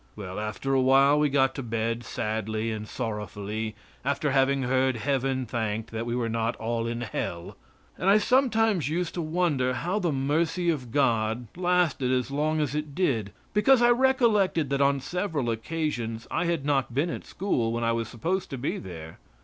Well, after a while we got to bed sadly and sorrowfully after having heard Heaven thanked that we were not all in Hell. And I sometimes used to wonder how the mercy of God lasted as long as it did, because I recollected that on several occasions I had not been at school, when I was supposed to be there.